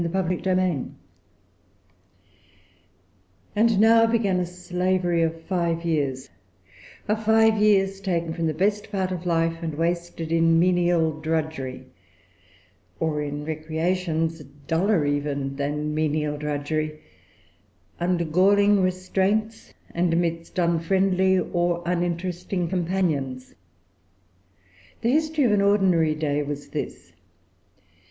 [Pg 362] And now began a slavery of five years, of five years taken from the best part of life, and wasted in menial drudgery or in recreations duller than even menial drudgery, under galling restraints and amidst unfriendly or uninteresting companions. The history of an ordinary day was this.